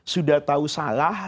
sudah tahu salah